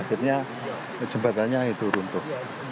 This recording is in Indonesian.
akhirnya jembatannya itu runtuh